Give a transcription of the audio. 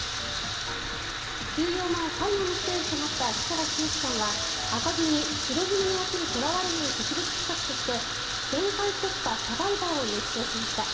休養前最後のステージとなった氷川きよしさんは紅組、白組の枠にとらわれない特別企画として「限界突破×サバイバー」を熱唱しました。